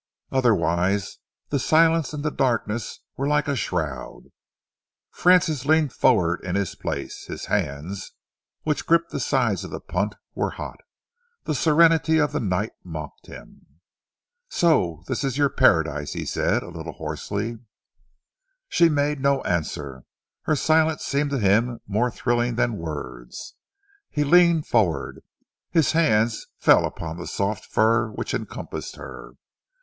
Otherwise the silence and the darkness were like a shroud. Francis leaned forward in his place. His hands, which gripped the sides of the punt, were hot. The serenity of the night mocked him. "So this is your paradise," he said, a little hoarsely. She made no answer. Her silence seemed to him more thrilling than words. He leaned forward. His hands fell upon the soft fur which encompassed her.